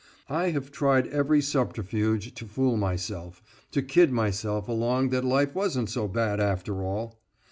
I have tried every subterfuge to fool myself, to kid myself along that life wasn't so bad after all.